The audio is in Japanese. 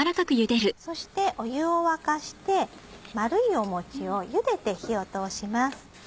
そして湯を沸かして丸いもちをゆでて火を通します。